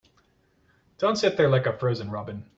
Don't sit there like a frozen robin.